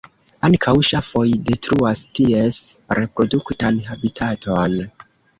Ankaŭ ŝafoj detruas ties reproduktan habitaton.